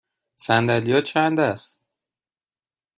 صندلی ها چند است؟